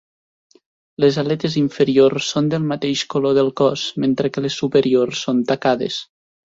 Les aletes inferiors són del mateix color del cos, mentre que les superiors són tacades.